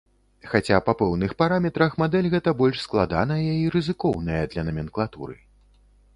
Хаця, па пэўных параметрах, мадэль гэта больш складаная і рызыкоўная для наменклатуры.